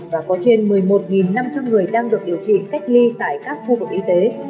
và có trên một mươi một năm trăm linh người đang được điều trị cách ly tại các khu vực y tế